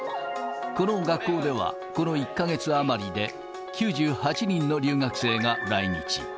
この学校では、この１か月余りで、９８人の留学生が来日。